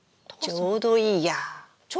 ちょうどいい？